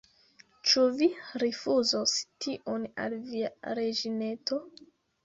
Ĉu Vi rifuzos tion al Via reĝineto?